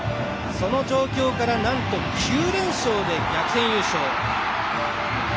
その状況から９連勝で逆転優勝。